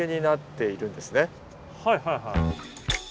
はいはいはい。